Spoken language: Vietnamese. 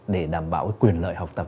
để đảm bảo quyền lợi học tập